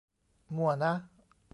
มั่วนะ